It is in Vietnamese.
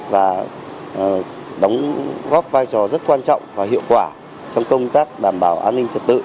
và góp vai trò rất quan trọng và hiệu quả trong công tác đảm bảo an ninh trả tự